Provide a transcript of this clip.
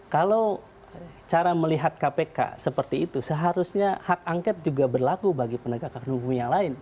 kalau cara melihat kpk seperti itu seharusnya hak angket juga berlaku bagi penegakan hukum yang lain